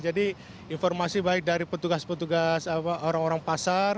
informasi baik dari petugas petugas orang orang pasar